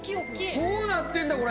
どうなってんだ、これ。